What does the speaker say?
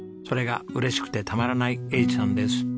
それが嬉しくてたまらない栄治さんです。